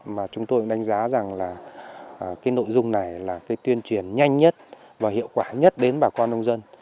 mà chúng tôi đánh giá rằng là cái nội dung này là cái tuyên truyền nhanh nhất và hiệu quả nhất đến bà con nông dân